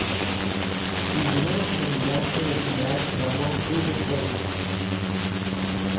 Figuró como ayudante del general Ramón V. Sosa.